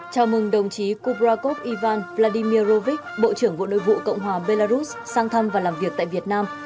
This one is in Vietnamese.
chào mừng đồng chí kubrakov ivan vladimir rovich bộ trưởng bộ nội vụ cộng hòa belarus sang thăm và làm việc tại việt nam